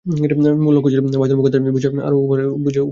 মূল লক্ষ্য ছিল বায়তুল মুকাদ্দাস বিজয় আর উরায়হা বিজয় ছিল তার উপায় মাত্র।